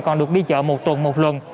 còn được đi chợ một tuần một lần